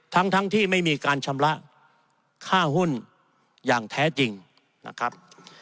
ทั้งที่ไม่มีการชำระค่าหุ้นอย่างแท้จริงนะครับ